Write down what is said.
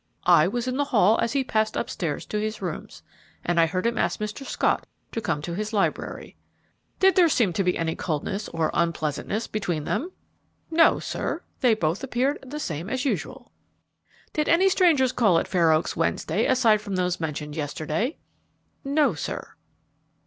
I was in the hall as he passed upstairs to his rooms, and I heard him ask Mr. Scott to come to his library." "Did there seem to be any coldness or unpleasantness between them?" "No, sir; they both appeared the same as usual." "Did any strangers call at Fair Oaks Wednesday aside from those mentioned yesterday?" "No, sir."